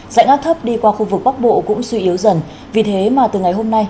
dạnh áp thấp đi qua khu vực bắc bộ cũng suy yếu dần vì thế mà từ ngày hôm nay